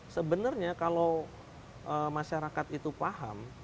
sebenarnya kalau masyarakat itu paham